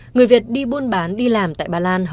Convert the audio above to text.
người việt đi buôn bán đi làm tại ba lan